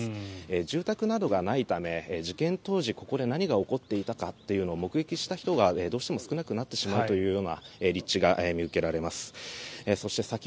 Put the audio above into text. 住宅などがないため、事件当時ここで何が起こっていたのかというのが目撃した人がどうしても少なくなってしまうというような立地が見受けられます。